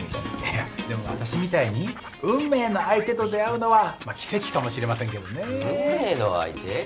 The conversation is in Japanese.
いやでも私みたいに運命の相手と出会うのはまあ奇跡かもしれませんけどね。